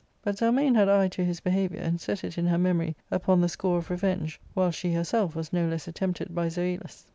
But Zelmane had eye to his behaviour, and set it in her memory upon the score of revenge, while she herself was no less attempted by Zoilus.